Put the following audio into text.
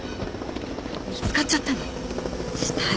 見つかっちゃったの死体。